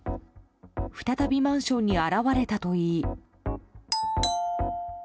再びマンションに現れたといい。